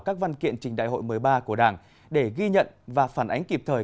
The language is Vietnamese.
các văn kiện trình đại hội một mươi ba của đảng để ghi nhận và phản ánh kịp thời